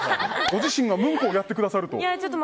ご自身がムンクをやってくださると。